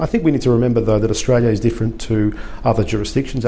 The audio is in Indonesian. untuk berinvestasi di sektor perumahan